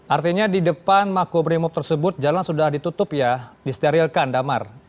artinya di depan makobrimob tersebut jalan sudah ditutup ya disterilkan damar